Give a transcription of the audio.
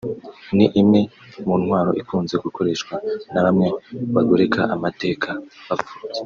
ni imwe mu ntwaro ikunze gukoreshwa na bamwe bagoreka amateka bapfobya